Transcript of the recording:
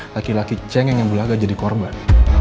laki laki jeng yang nyambul agak jadi korban